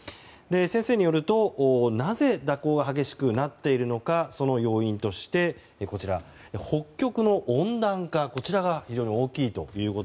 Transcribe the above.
先生によると、なぜ蛇行が激しくなっているのかその要因として北極の温暖化が非常に大きいと。